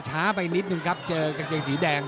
ช้าไปนิดหนึ่งครับเจอกังเจงสีแดง